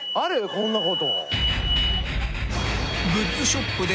こんなこと。